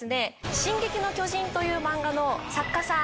「進撃の巨人」という漫画の作家さん